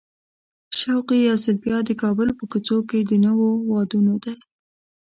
شوق یې یو ځل بیا د کابل په کوڅو کې د نویو وادونو دی.